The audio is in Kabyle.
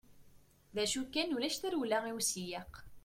D acu kan ulac tarewla i usiyeq.